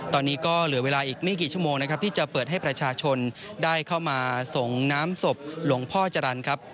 ตอนนี้ก็เหลือเวลาอีกไม่กี่ชั่วโมงนะครับที่จะเปิดให้ประชาชนได้เข้ามาส่งน้ำศพหลวงพ่อจรรย์ครับ